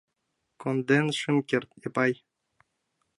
— Конден шым керт, Эпай...